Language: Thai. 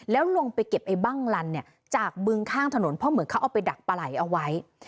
แล้วลงไปเก็บไอ้บั้งลันเนี่ยจากบึงข้างถนนเพราะเหมือนเขาเอาไปดักปลาไหลเอาไว้